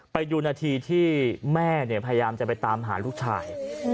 ไปดูนาทีที่แม่พยายามจะไปตามหาลูกชาย